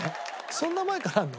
そんな前からあるの？